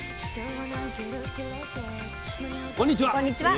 こんにちは。